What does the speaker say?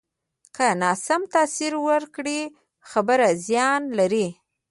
که ناسم تاثر ورکړې، خبره زیان لري